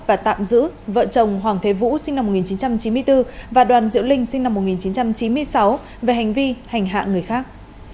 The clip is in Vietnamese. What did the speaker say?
và tạm giữ vợ chồng hoàng thế vũ sinh năm một nghìn chín trăm chín mươi bốn và đoàn diễu linh sinh năm một nghìn chín trăm chín mươi sáu về hành vi hành hạ người khác